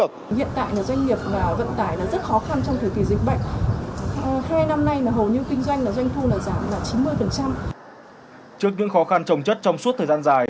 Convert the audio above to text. trước những khó khăn trồng chất trong suốt thời gian dài